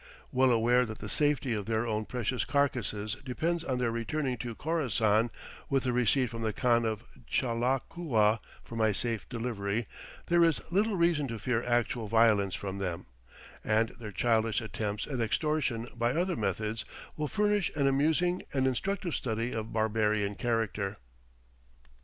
Well aware that the safety of their own precious carcasses depends on their returning to Khorassan with a receipt from the Khan of Ghalakua for my safe delivery, there is little reason to fear actual violence from them, and their childish attempts at extortion by other methods will furnish an amusing and instructive study of barbarian character.